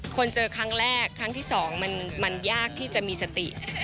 คนเจอครั้งแรกครั้งที่๒มันยากที่จะมีสติ